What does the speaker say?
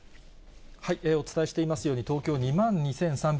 お伝えしていますように、東京２万２３８７人。